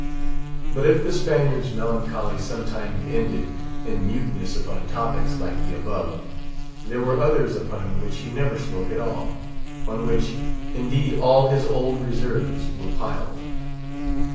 But if the Spaniard's melancholy sometimes ended in muteness upon topics like the above, there were others upon which he never spoke at all; on which, indeed, all his old reserves were piled.